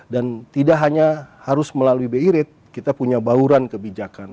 dan tidak hanya harus melalui bi rate kita punya bauran kebijakan